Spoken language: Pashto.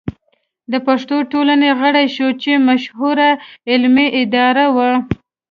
د پښتو ټولنې غړی شو چې مشهوره علمي اداره وه.